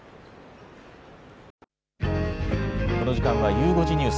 この時間はゆう５時ニュース。